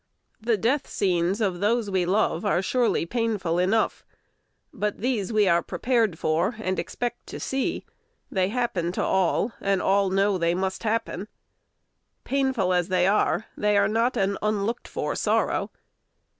The death scenes of those we love are surely painful enough; but these we are prepared for and expect to see: they happen to all, and all know they must happen. Painful as they are, they are not an unlooked for sorrow.